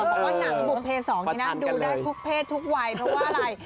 บอกว่าหนังบุภเพศสองนี้นะดูได้ทุกเพศทุกวัยเพราะว่าอะไร